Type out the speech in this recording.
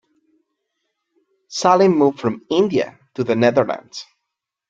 Salim moved from India to the Netherlands.